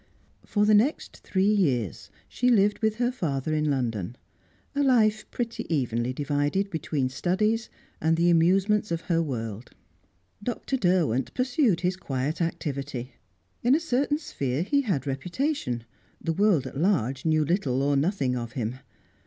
For the next three years she lived with her father in London; a life pretty evenly divided between studies and the amusements of her world. Dr. Derwent pursued his quiet activity. In a certain sphere he had reputation; the world at large knew little or nothing of him.